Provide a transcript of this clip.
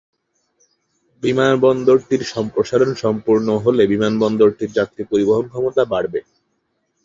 বিমানবন্দরটির সম্প্রসারণ সম্পূর্ণ হলে বিমানবন্দরটির যাত্রী পরিবহন ক্ষমতা বাড়বে।